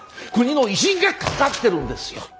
国の威信がかかってるんですよ！